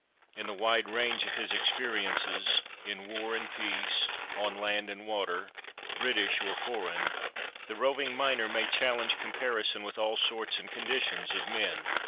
In the wide range of his experiences, in war and peace, on land and water, British or foreign, the roving miner may challenge comparison with all sorts and conditions of men.